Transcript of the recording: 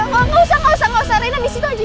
gak usah gak usah rena disitu aja